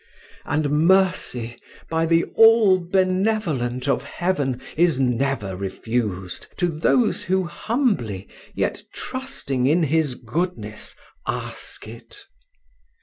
And mercy, by the All benevolent of heaven, is never refused to those who humbly, yet trusting in his goodness, ask it.